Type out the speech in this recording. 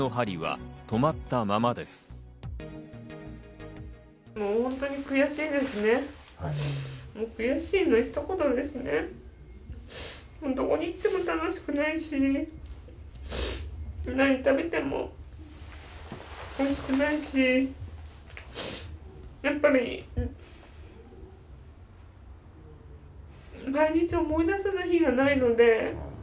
どこに行っても楽しくないし、何食べてもおいしくないし、やっぱり毎日思い出さない日がないので。